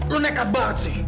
lu nekat banget sih